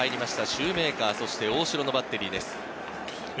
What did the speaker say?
シューメーカー、大城のバッテリーです。